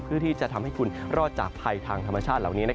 ที่จะทำให้คุณรอดจากภัยทางธรรมชาติเหล่านี้